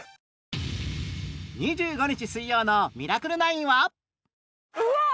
２５日水曜の『ミラクル９』は